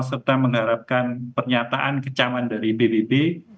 serta mengharapkan pernyataan kecaman dari pbb